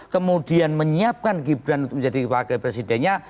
kemudian menyiapkan gibran untuk menjadi wakil presidennya